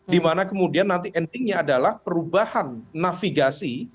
di mana kemudian nanti endingnya adalah perubahan navigasi